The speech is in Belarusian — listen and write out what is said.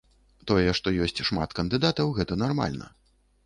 Тое, што ёсць шмат кандыдатаў, гэта нармальна.